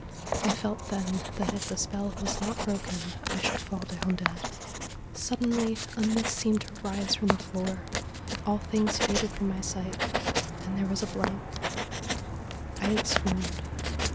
I felt then that if the spell was not broken I should fall down dead. Suddenly a mist seemed to rise from the floor ; all things faded from my sight, and there was a blank — I had swooned.